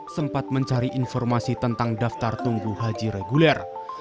sempat mencari informasi tentang daftar tunggu haji reguler